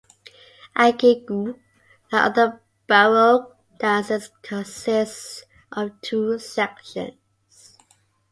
A gigue, like other Baroque dances, consists of two sections.